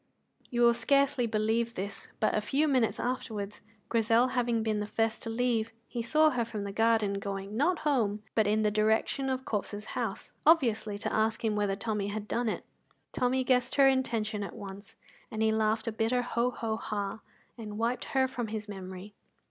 You will scarcely believe this, but a few minutes afterwards, Grizel having been the first to leave, he saw her from the garden going, not home, but in the direction of Corp's house, obviously to ask him whether Tommy had done it. Tommy guessed her intention at once, and he laughed a bitter ho ho ha, and wiped her from his memory.